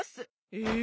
え？